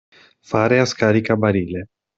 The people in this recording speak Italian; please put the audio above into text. Fare a scaricabarile.